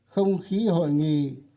không khí hội nghị